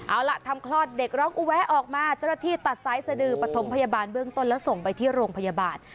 เอาล่ะทำคลอดเด็กร้องอุแวะออกมาเจ้าหน้าที่ตัดสายสดือปฐมพยาบาลเบื้องต้นแล้วส่งไปที่โรงพยาบาล